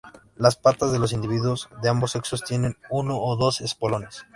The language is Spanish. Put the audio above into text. Las patas de los individuos de ambos sexos tienen uno o dos espolones.